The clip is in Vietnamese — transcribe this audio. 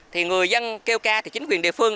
thì người dân kêu ca chính quyền địa phương